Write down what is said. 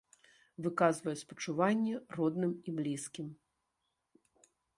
Выказваю спачуванне родным і блізкім.